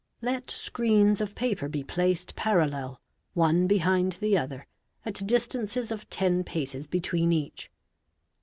Let screens of paper be placed parallel, one behind the other, at distances of ten paces between each.